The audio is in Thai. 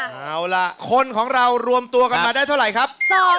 เอาล่ะคนของเรารวมตัวกันมาได้เท่าไหร่ครับ